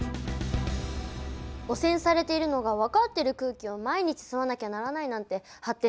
汚染されているのが分かっている空気を毎日吸わなきゃならないなんて発展途上国って大変ですね。